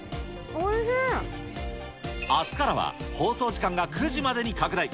あすからは放送時間が９時までに拡大。